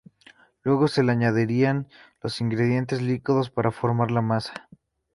Luego se le añadirán los ingredientes líquidos para formar la masa.